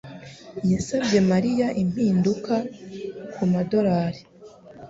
yasabye Mariya impinduka kumadorari.